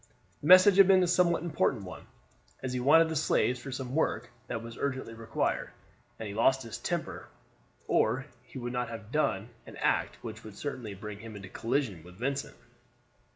The message had been a somewhat important one, as he wanted the slaves for some work that was urgently required; and he lost his temper, or he would not have done an act which would certainly bring him into collision with Vincent.